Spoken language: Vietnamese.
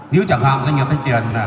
nếu chẳng hạn doanh nghiệp thanh tiền